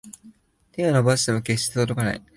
手を伸ばしても決して届かない